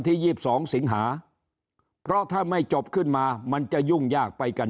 ๒๒สิงหาเพราะถ้าไม่จบขึ้นมามันจะยุ่งยากไปกัน